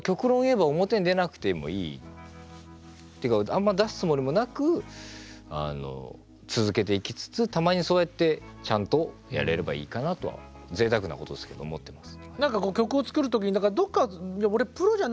あんま出すつもりもなく続けていきつつたまにそうやってちゃんとやれればいいかなとはぜいたくなことですけど思ってます。